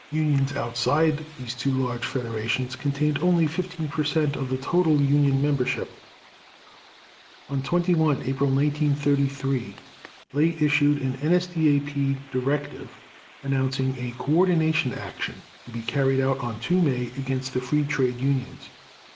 Unions outside these two large federations contained only 15 percent of the total union membership. On 21 April 1933 Ley issued an NSDAP directive announcing a "coordination action" to be carried out on 2 May against the Free Trade Unions.